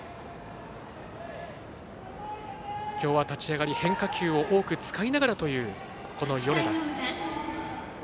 きょうは立ち上がり、変化球を多く使いながらという米田。